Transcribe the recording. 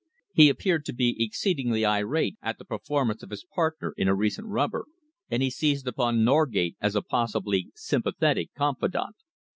He appeared to be exceedingly irate at the performance of his partner in a recent rubber, and he seized upon Norgate as a possibly sympathetic confidant.